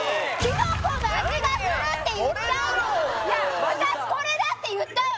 これだろ私これだって言ったよ！